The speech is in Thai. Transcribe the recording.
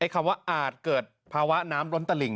คำว่าอาจเกิดภาวะน้ำล้นตลิ่ง